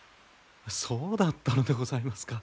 そうだったのでございますか。